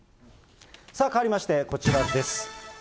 さあ、変わりましてこちらです。